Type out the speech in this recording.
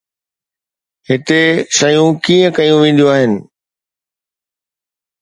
هتي شيون ڪيئن ڪيون وينديون آهن؟